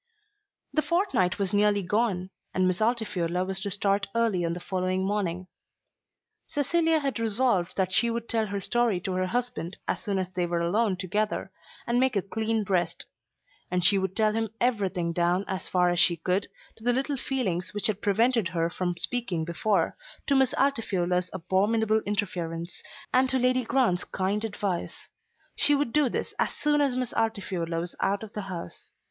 The fortnight was nearly gone, and Miss Altifiorla was to start early on the following morning. Cecilia had resolved that she would tell her story to her husband as soon as they were alone together, and make a clean breast. She would tell him everything down as far as she could, to the little feelings which had prevented her from speaking before, to Miss Altifiorla's abominable interference, and to Lady Grant's kind advice. She would do this as soon as Miss Altifiorla was out of the house.